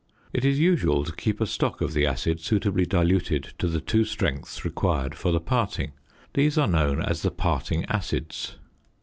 It is usual to keep a stock of the acid suitably diluted to the two strengths required for the parting. These are known as the parting acids.